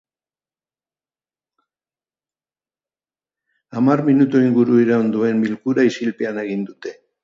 Hamar minutu inguru iraun duen bilkura isilpean egin dute.